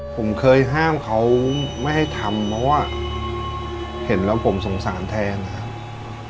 ผมเคยห้ามเขาไม่ให้ทำเพราะว่าเห็นแล้วผมสงสารแทนนะครับ